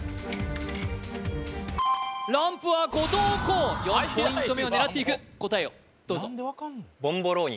ランプは後藤弘４ポイント目を狙っていく答えをどうぞ・何で分かんの？